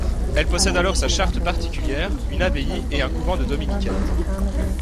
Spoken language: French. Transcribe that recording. Elle possède alors sa charte particulière, une abbaye et un couvent de Dominicaines.